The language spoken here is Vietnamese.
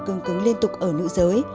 cương cứng liên tục ở nữ giới